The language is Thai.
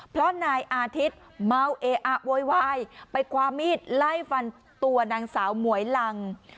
เพราะนายอาทิตย์เมาเออะโวยวายไปความมีดไล่ฟันตัวนางสาวหมวยลัง